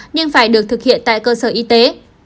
nhưng phải được thực hiện tại cơ sở y tế